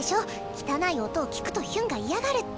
汚い音を聴くとヒュンが嫌がるって。